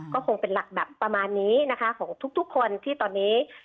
ก็คงเป็นหลักแบบประมาณนี้นะคะของทุกคนที่ตอนนี้